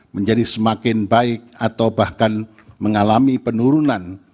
menjadi semakin baik atau bahkan mengalami penurunan